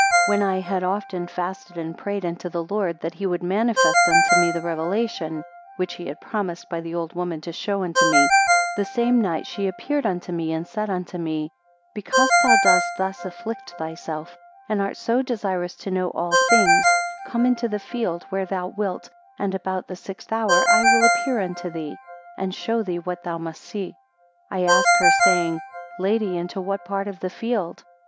2 When I had often fasted and prayed unto the Lord, that he would manifest unto me the revelation, which he had promised by the old woman to show unto me; the same night she appeared unto me, and said unto me, 3 Because thou dost thus afflict thyself, and art so desirous to know all things, come into the field, where thou wilt, and about the sixth hour, I will appear unto thee, and show thee what thou must see. 4 I asked her, saying; Lady, into what part of the field?